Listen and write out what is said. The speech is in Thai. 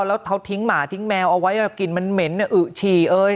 แล้วเขาทิ้งหมาทิ้งแมวเอาไว้กลิ่นมันเหม็นอึ๋ฉี่เอ้ย